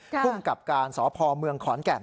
คุ้มกับการศพเมืองขอนแก่น